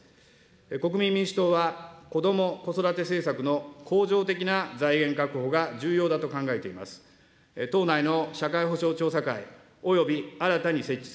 国民民主党は、こども・子育て政策の恒常的な財源確保が重要だと考えています。